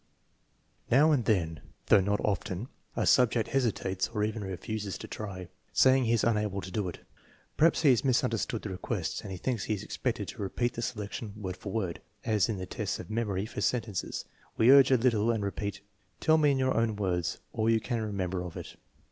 Now and then, though not often, a subject hesitates or even refuses to try, saying he is unable to do it. Perhaps he has misunderstood the request and thinks he is expected to repeat the selection word for word, as in the tests of memory for sentences. We urge a little and repeat: " Tell me in your own words all you can remember of it."